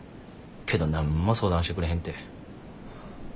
けど何も相談してくれへんて。